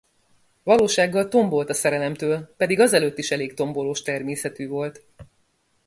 Valósággal tombolt a szerelemtől, pedig azelőtt is elég tombolós természetű volt.